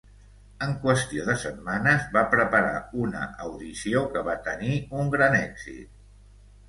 En qüestió de setmanes va preparar una audició que va tenir un gran èxit.